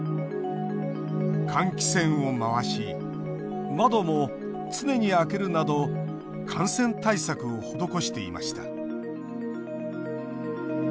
換気扇を回し窓も常に開けるなど感染対策を施していました。